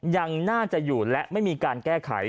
ยังน่าจะอยู่และไม่มีการแก้ไข